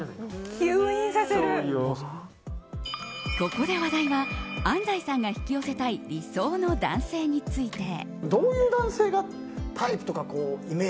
ここで話題は安西さんが引き寄せたい理想の男性について。